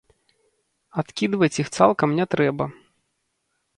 Адкідваць іх цалкам не трэба.